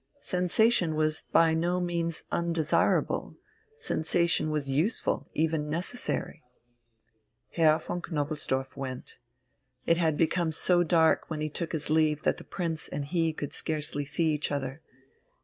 Sensation was by no means undesirable, sensation was useful, even necessary.... Herr von Knobelsdorff went. It had become so dark when he took his leave that the Prince and he could scarcely see each other.